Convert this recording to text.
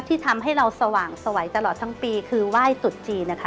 ที่ทำให้เราสว่างสวัยตลอดทั้งปีคือไหว้ตุดจีนนะคะ